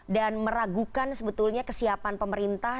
dan meragukan sebetulnya kesiapan pemerintah